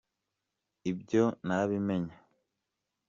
ibyo narabimenye.